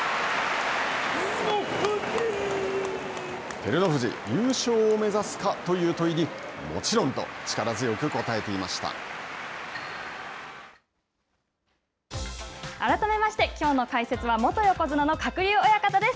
照ノ富士、優勝を目指すかという問いに、改めましてきょうの解説は元横綱の鶴竜親方です。